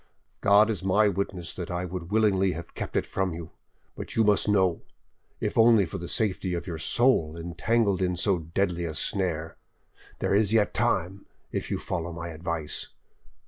"God is my witness that I would willingly have kept it from you, but you must know; if only for the safety of your soul entangled in so deadly a snare,... there is yet time, if you follow my advice.